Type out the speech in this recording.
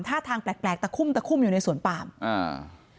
ท่าทางแปลกแปลกตะคุ่มตะคุ่มอยู่ในสวนปามอ่า